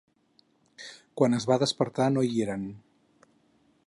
Quan es va despertar no hi eren.